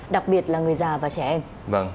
đặc biệt là người già và trẻ em